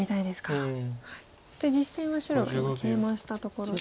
そして実戦は白が今ケイマしたところですね。